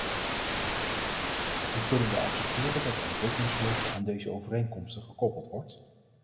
Hoe kunnen we accepteren dat ontwikkelingshulp aan deze overeenkomsten gekoppeld wordt?